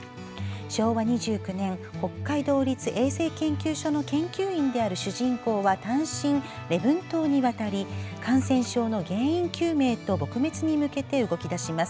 昭和２９年北海道立衛生研究所の研究員である主人公は単身、礼文島に渡り感染症の原因究明と撲滅に向けて動き出します。